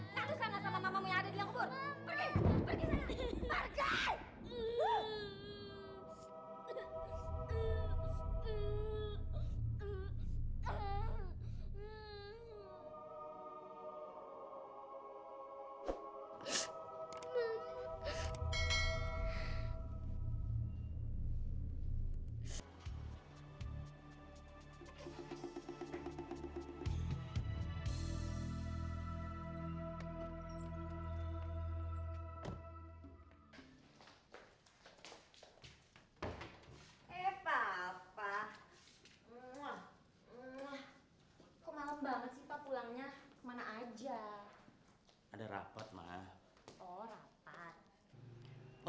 jauh sedang dalam genggamanku kalau kamu mau ngadu lalu sana sama mamamu yang ada di dalam kubur pergi pergi sana pergi